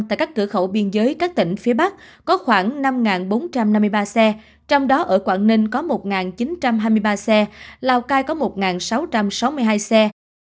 tại các cửa khẩu biên giới các tỉnh phía bắc có khoảng năm bốn trăm năm mươi ba xe trong đó ở quảng ninh có một chín trăm hai mươi ba xe lào cai có một sáu trăm sáu mươi hai xe